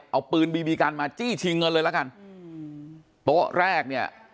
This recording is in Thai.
เอาปืนบีบีกันมาจี้ชิงเงินเลยละกันอืมโต๊ะแรกเนี่ย